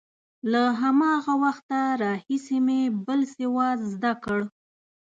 له هماغه وخته راهیسې مې بل سواد زده کړ.